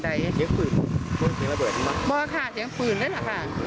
ได้ค่ะเสียงฟืนเลยนะคะ